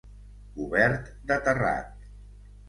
Cobert de terrat.